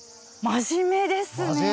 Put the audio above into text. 真面目ですね。